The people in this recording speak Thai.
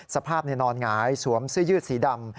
สภาพนอนหงายสวมเสื้อยืดสีดำ